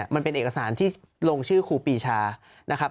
มันเป็นเอกสารที่ลงชื่อครูปีชานะครับ